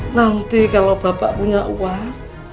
nanti kalau bapak punya uang